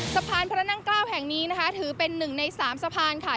สะพานพระนั่งเกล้าแห่งนี้นะคะถือเป็นหนึ่งในสามสะพานค่ะ